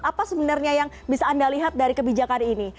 apa sebenarnya yang bisa anda lihat dari kebijakan ini